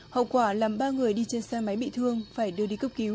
hậu quả làm ba người đi trên xe máy bị thương phải đưa đi cấp cứu